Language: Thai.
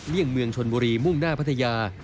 ี่ยงเมืองชนบุรีมุ่งหน้าพัทยา